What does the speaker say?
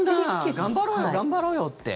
頑張ろうよ、頑張ろうよって。